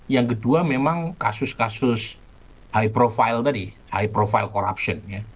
yang kedua memang kasus kasus high profile tadi high profile corruption